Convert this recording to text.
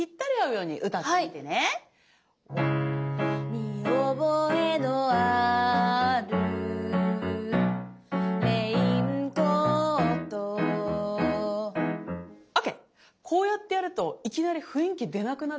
「見覚えのあるレインコート」ＯＫ．こうやってやるといきなり雰囲気出なくなる。